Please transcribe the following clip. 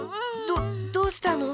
どっどうしたの？